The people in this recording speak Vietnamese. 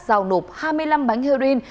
rào nộp hai mươi năm bánh heroin